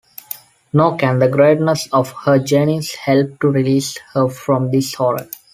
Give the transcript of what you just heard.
Nor can the greatness of her genius help to release her from this horror.